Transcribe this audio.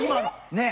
ねえ。